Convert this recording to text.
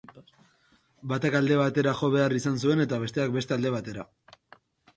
Batak alde batera jo behar izan zuen eta besteak beste alde batera.